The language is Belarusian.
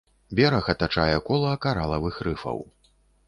Бераг атачае кола каралавых рыфаў.